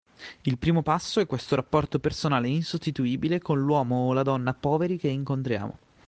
Il primo passo è questo rapporto personale insostituibile con l'uomo o la donna poveri che incontriamo.